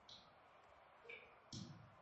دښته انسان عاجزوي.